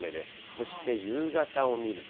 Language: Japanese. そして夕方を見ると。